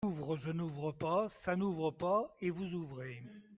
J’ouvre, je n’ouvre pas, ça n’ouvre pas, et vous ouvrez.